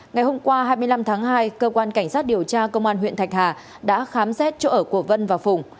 ngày hôm qua hai mươi năm tháng hai cơ quan cảnh sát điều tra công an huyện thạch hà đã khám xét chỗ ở của vân và phùng